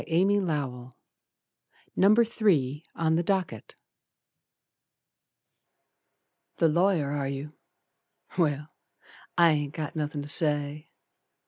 Alice " (Door slams) Number 3 on the Docket The lawyer, are you? Well! I ain't got nothin' to say.